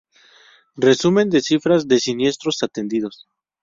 Resumen de cifras de siniestros atendidos.